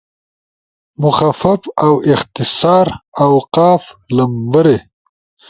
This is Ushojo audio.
مخفف اؤ اختصار، اوقاف، لمبرے